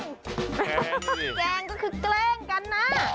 แกงก็คือแกล้งกันนะ